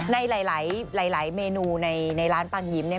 ในหลายเมนูในร้านปางยิ้มเนี่ย